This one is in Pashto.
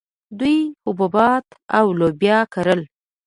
دوی حبوبات او لوبیا کرل